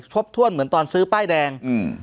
ชบทวดเหมือนตอนซื้อป้ายแดง